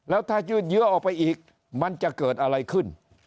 แล้วถ้ายืดเยื้อออกไปอีกมันจะเกิดอะไรขึ้น